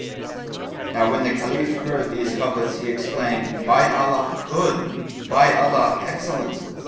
Now when the Caliph heard these couplets, he exclaimed, "By Allah, good! By Allah, excellent!